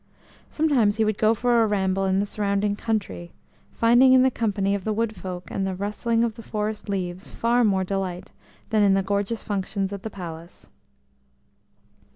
Sometimes he would go for a ramble in the surrounding country, finding in the company of the wood folk, and the rustling of the forest leaves, far more delight than in the gorgeous functions at the palace.